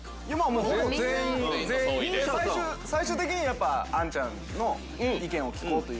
ほぼ全員最終的に杏ちゃんの意見を聞こうという。